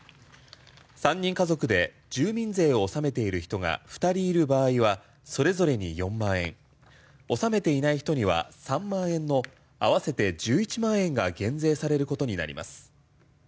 ３人家族で住民税を納めている人が２人いる場合はそれぞれに４万円納めていない人には３万円の合わせて１１万円が減税されることになります。